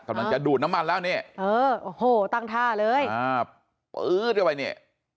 กำลังจะดูดน้ำมันแล้วนี่เออโหตั้งท่าเลยอ่าปื๊ดเข้าไปนี่